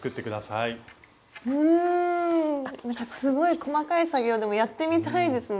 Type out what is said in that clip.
うんなんかすごい細かい作業でもやってみたいですね。